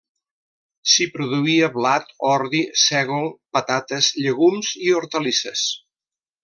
S'hi produïa blat, ordi, sègol, patates, llegums i hortalisses.